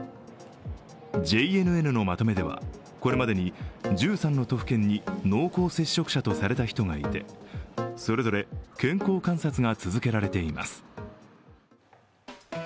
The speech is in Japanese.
ＪＮＮのまとめでは、これまでに１３の都府県に濃厚接触者とされた人がいてそれぞれ健康観察が続けられています。